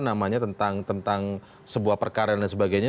namanya tentang sebuah perkara dan sebagainya